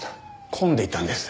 混んでいたんです。